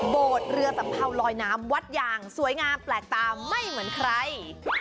เรือสัมเภาลอยน้ำวัดยางสวยงามแปลกตาไม่เหมือนใคร